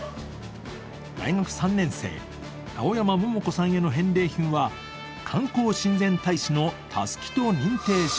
大学３年生、青山桃子さんへの返礼品は、観光親善大使のたすきと認定証。